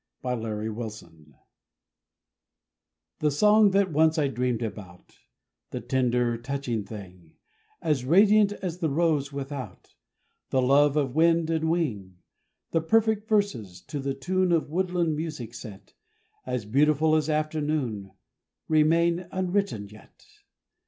After Many Years The song that once I dreamed about, The tender, touching thing, As radiant as the rose without The love of wind and wing The perfect verses, to the tune Of woodland music set, As beautiful as afternoon, Remain unwritten yet.